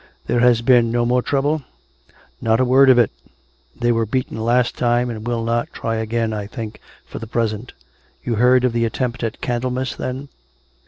There has been no more trouble.'' "" Not a word of it. They were beaten last time and will not try again, I think, for the present. You heard of the attempt at Candlemas, then.?